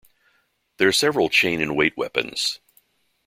There are several chain and weight weapons.